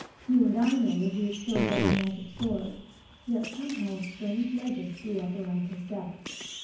You and I know that he was killed by the magic sword; yet somehow a strange legend grew up around his death.